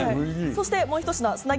そして、もうひと品。